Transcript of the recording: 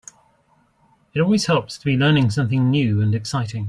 It always helps to be learning something new and exciting.